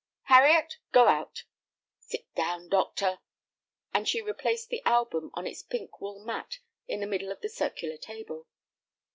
"Harriet, go out. Sit down, doctor," and she replaced the album on its pink wool mat in the middle of the circular table.